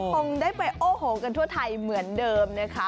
คงได้ไปโอ้โหกันทั่วไทยเหมือนเดิมนะคะ